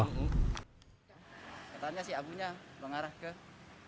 katanya si abunya mengarah ke